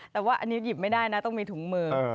แต่ว่าอันนี้หยิบไม่ได้นะต้องมีถุงมือ